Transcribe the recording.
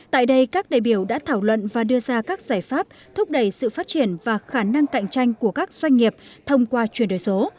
tại đây các đại biểu đã thảo luận và đưa ra các giải pháp thúc đẩy sự phát triển và khả năng cạnh tranh của các doanh nghiệp thông qua chuyển đổi số